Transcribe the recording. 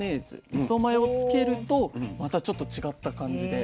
みそマヨをつけるとまたちょっと違った感じで。